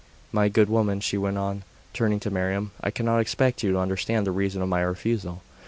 My good woman,' she went on, turning to Miriam, 'I cannot expect you to understand the reason of my refusal.